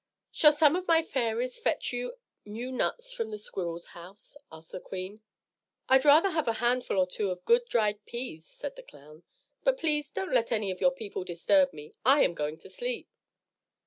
"Shall some of my fairies fetch you new nuts from the squirrel's house?" asked the queen. "I'd rather have a handful or two of good dried peas," said the clown. "But please don't let any of your people disturb me; I am going to sleep."